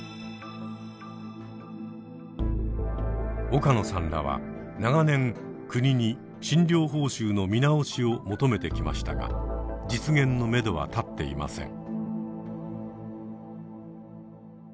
岡野さんらは長年国に診療報酬の見直しを求めてきましたが実現のめどは立っていません。